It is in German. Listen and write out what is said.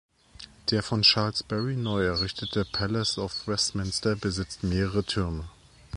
Der von Charles Barry neu errichtete Palace of Westminster besitzt mehrere Türme.